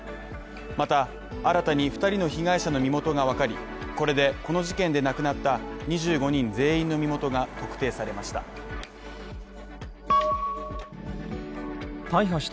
また新たに２人の被害者の身元がわかり、これでこの事件で亡くなった２５人全員の身元が特定されました。